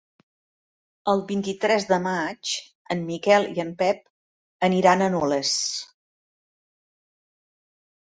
El vint-i-tres de maig en Miquel i en Pep aniran a Nules.